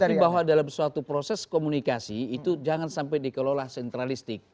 tapi bahwa dalam suatu proses komunikasi itu jangan sampai dikelola sentralistik